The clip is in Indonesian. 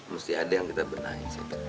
mesti ada yang kita benahi